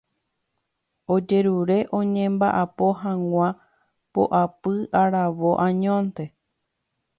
Ojerure oñemba'apo hag̃ua poapy aravo añónte.